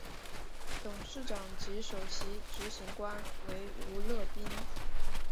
董事长及首席执行官为吴乐斌。